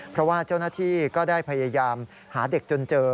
เพราะว่าเจ้าหน้าที่ก็ได้พยายามหาเด็กจนเจอ